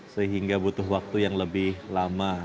sehingga butuh waktu yang lebih lama